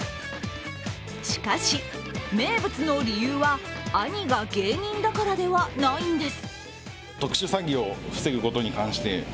しかし、名物の理由は兄が芸人だからではないんです。